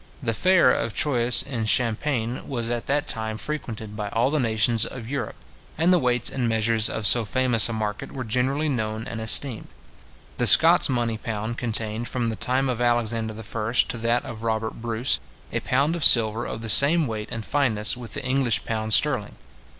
The fair of Troyes in Champaign was at that time frequented by all the nations of Europe, and the weights and measures of so famous a market were generally known and esteemed. The Scots money pound contained, from the time of Alexander the First to that of Robert Bruce, a pound of silver of the same weight and fineness with the English pound sterling.